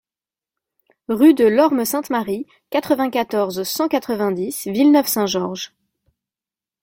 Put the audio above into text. Rue de l'Orme Sainte-Marie, quatre-vingt-quatorze, cent quatre-vingt-dix Villeneuve-Saint-Georges